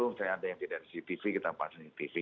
misalnya ada yang di dari cctv kita pasangin